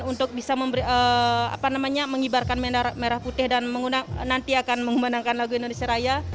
untuk bisa mengibarkan menar merah putih dan nanti akan memenangkan lagu indonesia raya